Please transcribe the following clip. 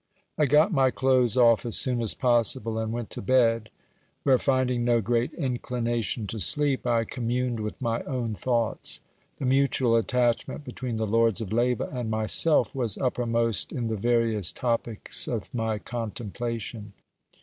I got my clothes off as soon as possible, and went to bed, where, finding no great inclination to sleep, I communed with my own thoughts. The mutual attachment between the lords of Leyva and myself was uppermost in the various topics of my contemplation.